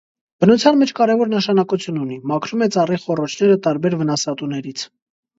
Բնության մեջ կարևոր նշանակություն ունի. մաքրում է ծառի խոռոչները տարբեր վնասատուներից։